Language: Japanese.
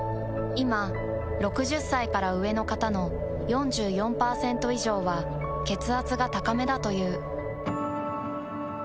いま６０歳から上の方の４４％以上は血圧が高めだという。